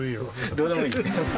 どうでもいい。